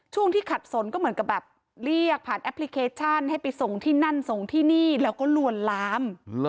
ช่วงที่ขัดสนก็เหมือนกับแบบเรียกผ่านแอปพลิเคชันให้ไปส่งที่นั่นส่งที่นี่แล้วก็ลวนลาม